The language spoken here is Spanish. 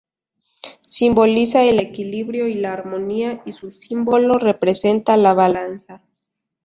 Simboliza el equilibrio y la armonía y su símbolo representa la balanza.